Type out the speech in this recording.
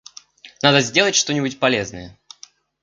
Надо сделать что-нибудь полезное!